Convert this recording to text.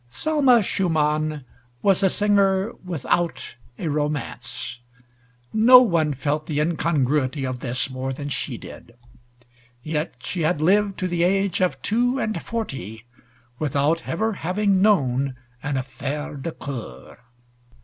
Selma Schumann was a singer without a romance. No one felt the incongruity of this more than she did, yet she had lived to the age of two and forty without ever having known an affaire de coeur.